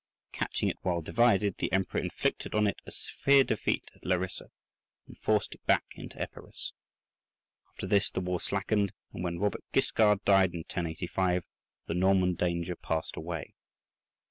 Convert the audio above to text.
Catching it while divided, the Emperor inflicted on it a severe defeat at Larissa, and forced it back into Epirus. After this the war slackened, and when Robert Guiscard died in 1085 the Norman danger passed away.